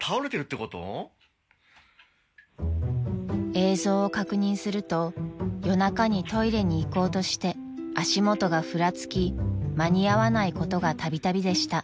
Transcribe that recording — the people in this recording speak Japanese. ［映像を確認すると夜中にトイレに行こうとして足元がふらつき間に合わないことがたびたびでした］